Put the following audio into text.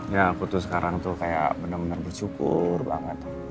ya aku tuh sekarang tuh kayak bener bener bersyukur banget